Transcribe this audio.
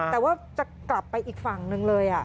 แต่ว่าจะกลับไปอีกฝั่งนึงเลย